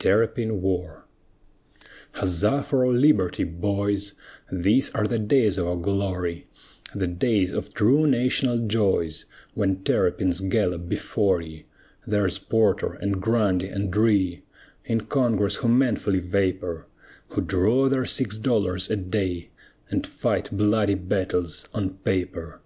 TERRAPIN WAR Huzza for our liberty, boys, These are the days of our glory The days of true national joys, When terrapins gallop before ye! There's Porter and Grundy and Rhea, In Congress who manfully vapor, Who draw their six dollars a day, And fight bloody battles on paper!